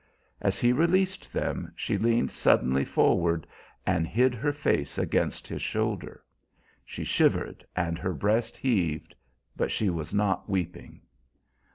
As he released them she leaned suddenly forward and hid her face against his shoulder. She shivered and her breast heaved, but she was not weeping.